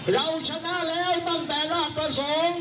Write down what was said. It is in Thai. เราชนะแล้วตั้งแต่ราชประสงค์